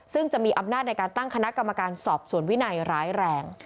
ซึ่งจะมีอำนาจในการตั้งคณะกรรมการสอบสวนวินัยร้ายแรง